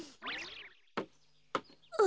あ。